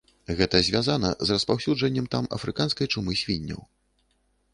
Гэта звязана з распаўсюджаннем там афрыканскай чумы свінняў.